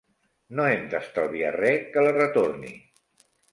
No hem d'estalviar res que la retorni.